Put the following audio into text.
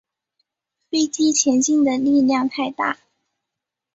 飞机前进的力量太大